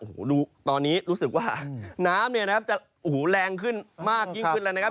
โอ้โหดูตอนนี้รู้สึกว่าน้ำเนี่ยนะครับจะโอ้โหแรงขึ้นมากยิ่งขึ้นแล้วนะครับ